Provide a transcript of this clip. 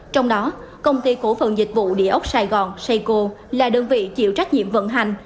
trong đó công ty cổ phần dịch vụ địa ốc sài gòn sayco là đơn vị chịu trách nhiệm vận hành